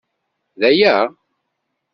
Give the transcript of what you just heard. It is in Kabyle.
D aya?